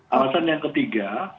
alasan yang ketiga